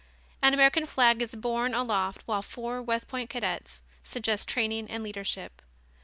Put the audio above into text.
An American flag is borne aloft while four West Point cadets suggest training and leadership.